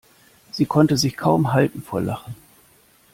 Sie konnte sich kaum halten vor Lachen.